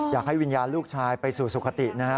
อยากให้วิญญาณลูกชายไปสวุขติดัง